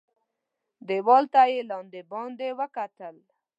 دېوال ته یې لاندي باندي وکتل .